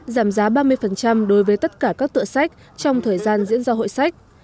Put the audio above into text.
giảm giá ba mươi đối với tất cả các tựa sách trong thời gian diễn ra hội sách